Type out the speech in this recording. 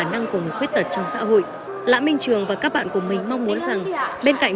năng của người khuyết tật trong xã hội lã minh trường và các bạn của mình mong muốn rằng bên cạnh